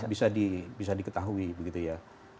bisa diketahui begitu ya